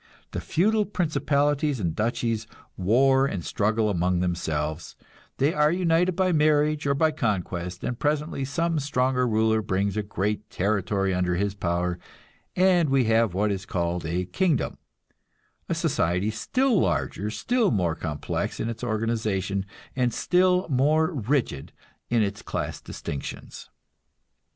The feudal principalities and duchies war and struggle among themselves; they are united by marriage or by conquest, and presently some stronger ruler brings a great territory under his power, and we have what is called a kingdom; a society still larger, still more complex in its organization, and still more rigid in its class distinctions.